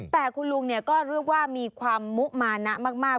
แต่คุณลุงก็เรียกว่ามีความมุมานะมาก